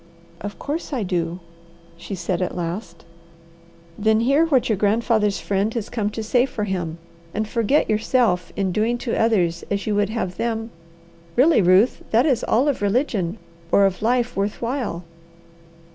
"Of course I do," she said at last. "Then hear what your grandfather's friend has come to say for him, and forget yourself in doing to others as you would have them really, Ruth, that is all of religion or of life worth while.